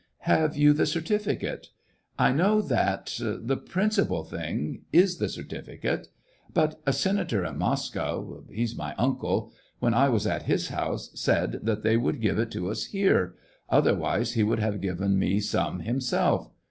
" Have you the certificate t " "I know that — the principal thing — is the certificate; but a senator in Moscow, — he's my uncle, — when I was at his house, said that they would give it to us here ; otherwise, he would have given me some himself.